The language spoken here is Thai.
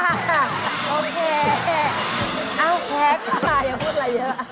แพ้ค่ะอย่าพูดอะไรเยอะ